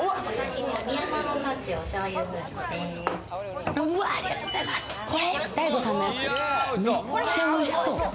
海山の幸めっちゃおいしそう！